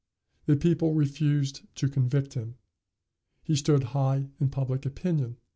The people refused to convict him. He stood high in public opinion.